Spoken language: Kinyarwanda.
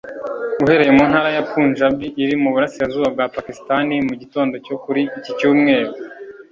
uherereye mu ntara ya Punjab iri mu Burasirazuba bwa Pakistan mu gitondo cyo kuri iki Cyumweru